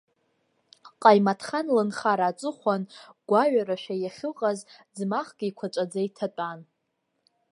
Ҟаимаҭхан лынхара аҵыхәан, гәаҩарашәа иахьыҟаз, ӡмахк еиқәаҵәаӡа иҭатәан.